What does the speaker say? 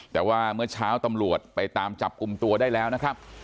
แต่ว่าเมื่อเช้าตำรวจไปตามจับกลุ่มตัวได้แล้วนะครับ